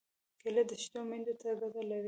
کېله د شېدو میندو ته ګټه لري.